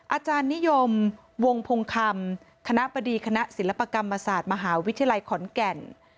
อาจารย์นิยมวงพงคำคณะบดีคณะศิลปกรรมศาสตร์มหาวิทยาลัยขอนแก่น